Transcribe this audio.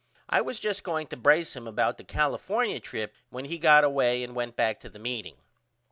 I was just going to brace him about the California trip when he got away and went back to the meeting.